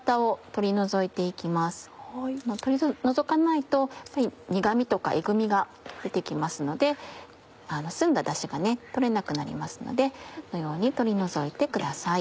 取り除かないと苦味とかえぐみが出て来ますので澄んだダシが取れなくなりますのでこのように取り除いてください。